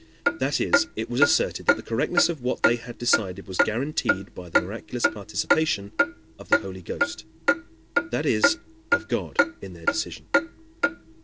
That is, it was asserted that the correctness of what they had decided was guaranteed by the miraculous participation of the Holy Ghost, that is, of God, in their decision.